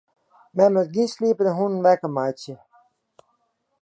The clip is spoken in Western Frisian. Men moat gjin sliepende hûnen wekker meitsje.